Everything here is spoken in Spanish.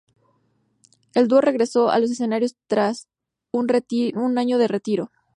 El dúo regresó a los escenarios tras un año de retiro.